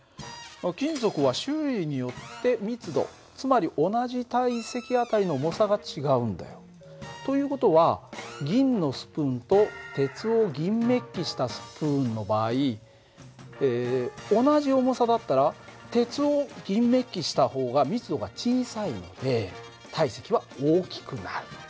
金属は種類によって密度つまり同じ体積あたりの重さが違うんだよ。という事は銀のスプーンと鉄を銀めっきしたスプーンの場合同じ重さだったら鉄を銀めっきした方が密度が小さいんで体積は大きくなる。